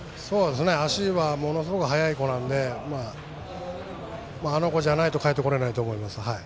足はものすごく速い子なのであの子じゃないとかえってこれないと思います。